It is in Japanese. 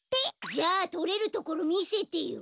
じゃあとれるところみせてよ。